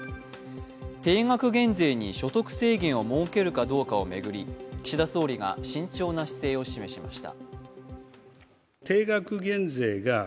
定額減税に所得制限を設けるかどうかを巡り、岸田総理が慎重な姿勢を示しました。